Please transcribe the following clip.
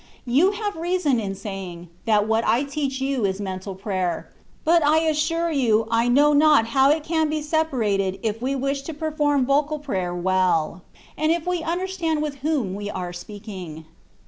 You have reason in saying, that what I teach you is mental prayer : but I assure you I know not how it can be sepa rated if we wish to perform vocal prayer well, and if we understand with whom we are speaking.